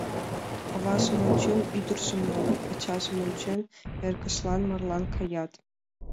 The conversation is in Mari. Аважым ончен, ӱдыржым налыт, ачажым ончен, эргыжлан марлан каят...